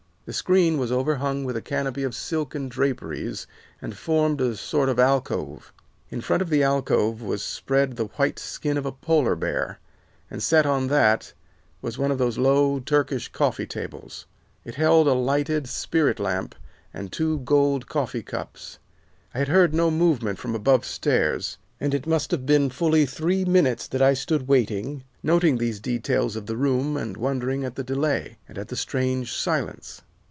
The screen was overhung with a canopy of silken draperies, and formed a sort of alcove. In front of the alcove was spread the white skin of a polar bear, and set on that was one of those low Turkish coffee tables. It held a lighted spirit lamp and two gold coffee cups. I had heard no movement from above stairs, and it must have been fully three minutes that I stood waiting, noting these details of the room and wondering at the delay, and at the strange silence.